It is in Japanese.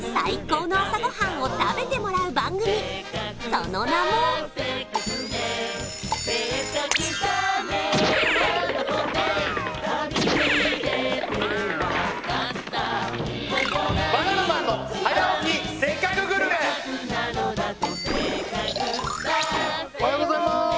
その名もおはようございまーす！